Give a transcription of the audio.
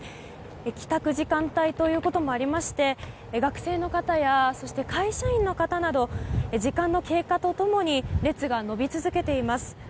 帰宅時間帯ということもありまして学生の方やそして会社員の方など時間の経過と共に列が延び続けています。